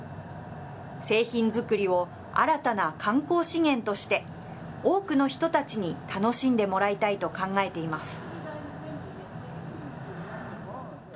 製品作りを新たな観光資源として、多くの人たちに楽しんでもらいたいと考えています。